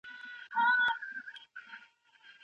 د کلتور د توپیرونو روښانه شناخت د یووالي لپاره لاره پرانیزي.